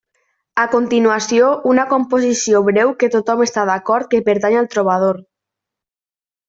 A continuació una composició breu que tothom està d'acord que pertany al trobador.